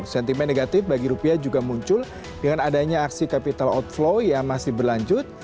sentimen negatif bagi rupiah juga muncul dengan adanya aksi capital outflow yang masih berlanjut